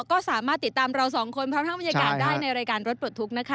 ก็สามารถติดตามเราสองคนพร้อมทั้งบรรยากาศได้ในรายการรถปลดทุกข์นะคะ